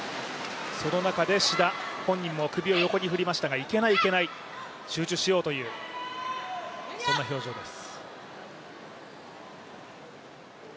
その中で志田、本人も首を振りましたがいけない、いけない、集中しようという、そんな表情です。